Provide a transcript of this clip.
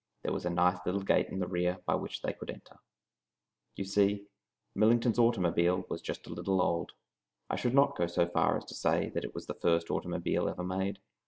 There was a nice little gate in the rear by which they could enter. You see, Millington's automobile was just a little old. I should not go so far as to say it was the first automobile ever made.